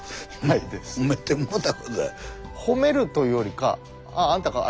ほめるというよりか「あああんたか。